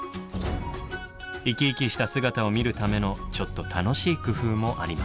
イキイキした姿を見るためのちょっと楽しい工夫もあります。